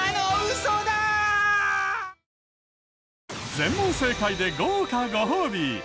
全問正解で豪華ご褒美。